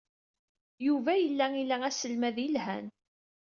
Yuba yella ila aselmad yelhan.